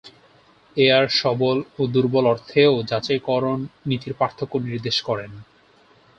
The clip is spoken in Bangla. এয়ার "সবল" ও "দুর্বল" অর্থেও যাচাইকরণ নীতির পার্থক্য নির্দেশ করেন।